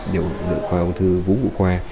điều trị về nội khoa ông thư vũ bụ khoa